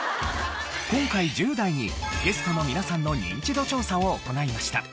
今回１０代にゲストの皆さんのニンチド調査を行いました。